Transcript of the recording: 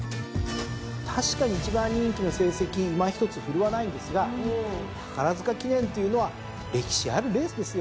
確かに１番人気の成績いまひとつ振るわないんですが宝塚記念というのは歴史あるレースですよ。